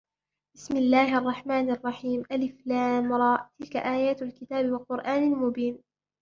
بسم الله الرحمن الرحيم الر تلك آيات الكتاب وقرآن مبين